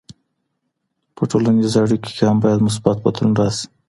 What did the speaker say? په ټولنیزو اړیکو کي هم باید مثبت بدلون راسي.